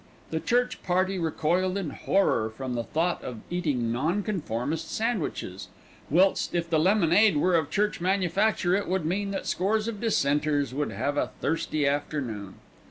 The church party recoiled in horror from the thought of eating nonconformist sandwiches; whilst if the lemonade were of church manufacture it would mean that scores of dissenters would have a thirsty afternoon.